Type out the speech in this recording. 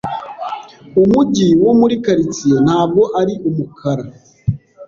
Umujyi wo mu karitsiye ntabwo ari umukara